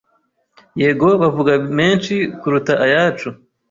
yego bavuga menshi kuruta ayacu